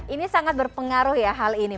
ini sangat berpengaruh ya hal ini